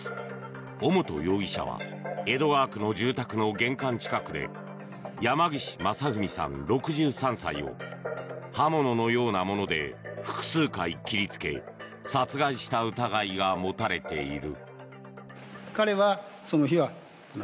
尾本容疑者は江戸川区の住宅の玄関近くで山岸正文さん、６３歳を刃物のようなもので複数回切りつけ殺害した疑いが持たれている。